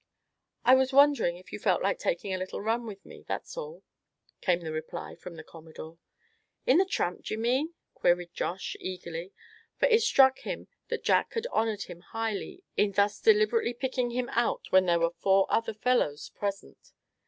"I was wondering if you felt like taking a little run with me, that's all," came the reply from the Commodore. "In the Tramp, d'ye mean?" queried Josh, eagerly, for it struck him that Jack had honored him highly in thus deliberately picking him out when there four other fellows present.